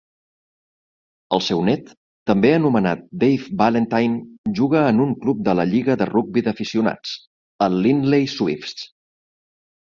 El seu net, també anomenat Dave Valentine, juga en un club de la lliga de rugbi d'aficionats, el Lindley Swifts.